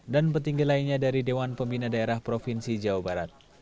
dan petinggi lainnya dari dewan pembina daerah provinsi jawa barat